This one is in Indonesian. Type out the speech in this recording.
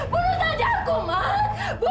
bunuh saja aku man bunuh